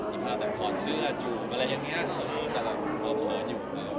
มีภาพแบบถอดเสื้อจูบอะไรอย่างเนี้ยแต่ลองพอลอย่างเดียว